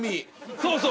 そうそう。